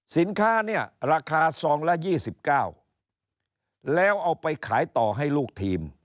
สินค้าเนี่ยราคาซองละ๒๙แล้วเอาไปขายต่อให้ลูกทีม